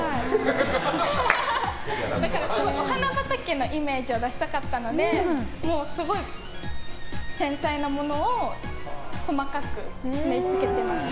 お花畑のイメージを出したかったのですごい繊細なものを細かく縫い付けてます。